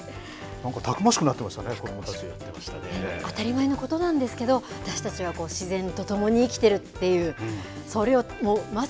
なんかたくましくなってましたね当たり前のことなんですけど私たちは自然と共に生きているという。